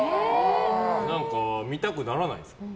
何か、見たくならないんですか。